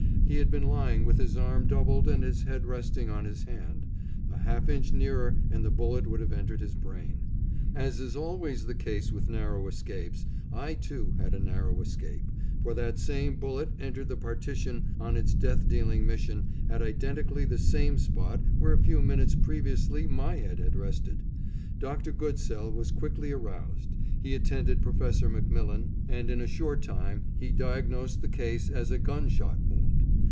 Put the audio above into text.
He had been lying with his arm doubled and his head resting on his hand. A half inch nearer and the bullet would have entered his brain. As is always the case with narrow escapes, I, too, had a narrow escape, for that same bullet entered the partition on its death dealing mission at identically the same spot where a few minutes previously my head had rested. Dr. Goodsell was quickly aroused, he attended Professor MacMillan, and in a short time he diagnosed the case as a "gun shot wound."